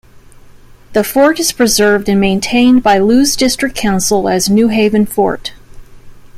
The fort is preserved and maintained by Lewes District Council as Newhaven Fort.